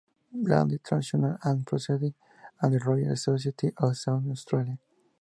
Black en "Transactions and Proceedings of the Royal Society of South Australia".